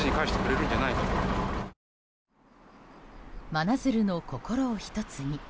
真鶴の心を１つに。